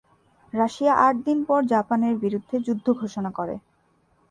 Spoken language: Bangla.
রাশিয়া আট দিন পর জাপানের বিরুদ্ধে যুদ্ধ ঘোষণা করে।